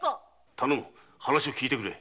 頼む話を聞いてくれ。